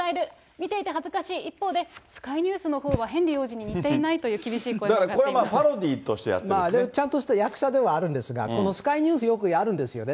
見ていて恥ずかしい、一方で、スカイ・ニュースのほうはヘンリー王子に似ていないという厳しいだからこれはパロディとしてちゃんとした役者ではあるんですが、スカイ・ニュースは、よくやるんですよね。